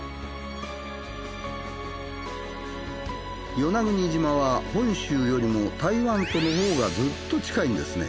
与那国島は本州よりも台湾とのほうがずっと近いんですね。